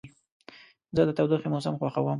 زه د تودوخې موسم خوښوم.